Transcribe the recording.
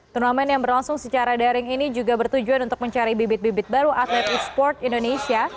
turnamen yang berlangsung secara daring ini juga bertujuan untuk mencari bibit bibit baru atlet esports indonesia